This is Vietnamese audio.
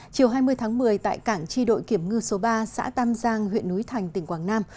chiều hai mươi tháng một mươi tại cảng chi đội kiểm ngư số ba xã tam giang huyện núi thành tỉnh quảng nam